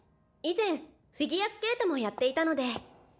以前フィギュアスケートもやっていたので。